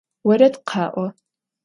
Vored kha'o!